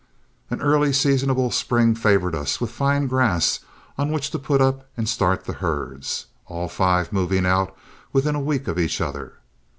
An early, seasonable spring favored us with fine grass on which to put up and start the herds, all five moving out within a week of each other.